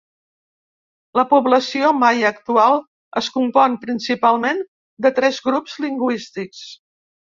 La població maia actual es compon principalment de tres grups lingüístics.